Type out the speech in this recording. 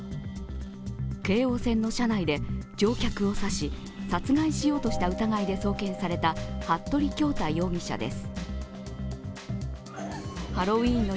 京王線の車内で乗客を刺し殺害しようとした疑いで送検された服部恭太容疑者です。